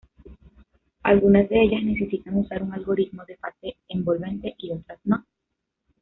Algunas de ellas necesitan usar un algoritmo de fase envolvente y otras no.